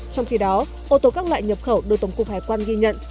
trong khi đó ô tô các loại nhập khẩu được tổng cục hải quan ghi nhận